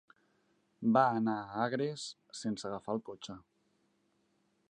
Va anar a Agres sense agafar el cotxe.